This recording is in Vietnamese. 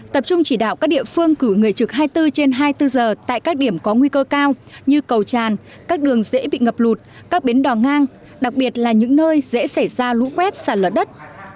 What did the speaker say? tập trung chỉ đạo các địa phương cử người trực hai mươi bốn trên hai mươi bốn giờ tại các điểm có nguy cơ cao như cầu tràn các đường dễ bị ngập lụt các bến đò ngang đặc biệt là những nơi dễ xảy ra lũ quét sạt lở đất